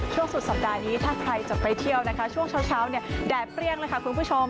สุดสัปดาห์นี้ถ้าใครจะไปเที่ยวนะคะช่วงเช้าเนี่ยแดดเปรี้ยงเลยค่ะคุณผู้ชม